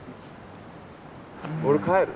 俺帰る！